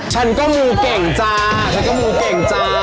ฉันก็มูเก่งจ้าฉันก็มูเก่งจ้า